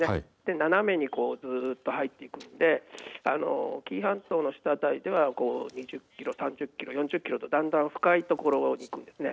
斜めにずっと入ってきて紀伊半島の下、辺りでは２０キロ、３０キロ、４０キロとだんだん深い所をいくんですね。